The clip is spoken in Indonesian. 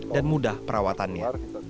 dan mudah perawatannya